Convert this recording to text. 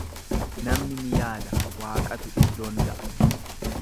Namni ni yaada, Waaqatu iddoon ga'a.